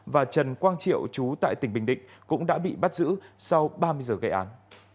và trần quang triệu chú tại tỉnh bình định cũng đã bị bắt giữ sau ba mươi giờ gây án